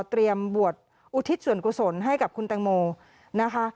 บวชอุทิศส่วนกุศลให้กับคุณแตงโมนะคะ